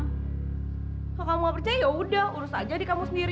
kalau kamu gak percaya yaudah urus aja di kamu sendiri